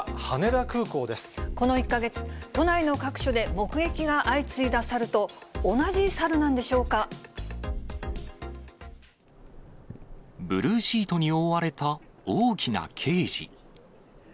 この１か月、都内の各所で目撃が相次いだ猿と、ブルーシートに覆われた大きなケージ。